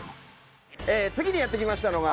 次にやって来ましたのが。